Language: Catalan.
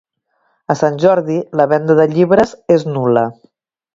A Sant Jordi la venda de llibres és nul·la